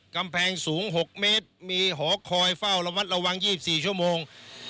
กำแพงสูง๖เมตรมีหอคอยเฝ้าระมัดระวัง๒๔ชั่วโมง